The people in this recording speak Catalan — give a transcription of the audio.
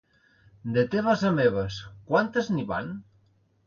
De teves a meves, quantes n'hi van?